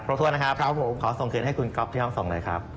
ครับผมขอส่งเงินให้คุณก๊อบที่ห้องส่งหน่อยครับ